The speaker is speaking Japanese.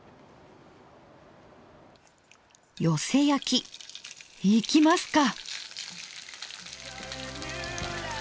よせ焼きいきますか！